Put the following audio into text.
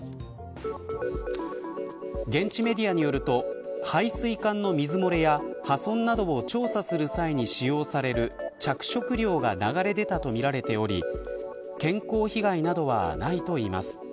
現地メディアによると排水管の水漏れや破損などを調査する際に使用される着色料が流れ出たとみられており健康被害などはないといいます。